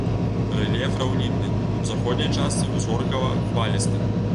Рэльеф раўнінны, у заходняй частцы ўзгоркава-хвалісты.